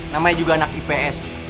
namanya juga anak ips